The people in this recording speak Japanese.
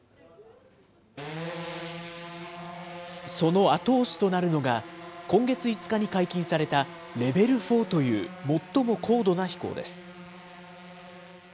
その後押しとなるのが、今月５日に解禁されたレベル４という最も高度な飛行です。